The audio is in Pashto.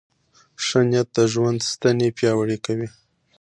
ښه نیت د ژوند ستنې پیاوړې کوي.